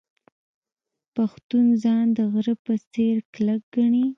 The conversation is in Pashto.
پښتون ځان د غره په څیر کلک ګڼي.